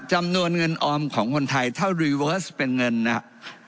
จำนวนเงินออมของคนไทยถ้าเป็นเงินนะฮะ